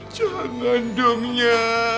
jangan dong ya